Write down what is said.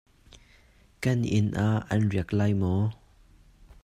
Kan inn ah an riak lai maw?